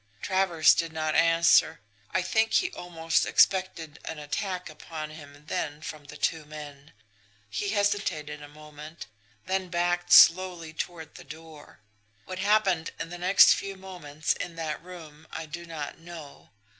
"Travers did not answer. I think he almost expected an attack upon him then from the two men. He hesitated a moment, then backed slowly toward the door. What happened in the next few moments in that room, I do not know.